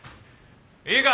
いいか？